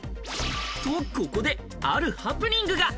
と、ここで、あるハプニングが。